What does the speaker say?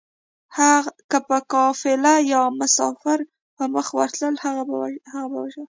که به قافله يا مسافر په مخه ورتلل هغه به يې وژل